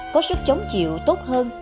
có sức chống chịu tốt hơn